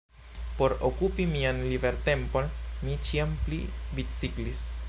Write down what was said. Por okupi mian libertempon, mi ĉiam pli biciklis.